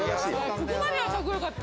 ここまではかっこよかった。